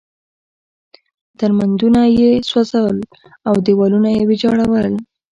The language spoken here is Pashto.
درمندونه یې سوځول او دېوالونه یې ویجاړول.